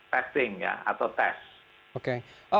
testing ya atau tes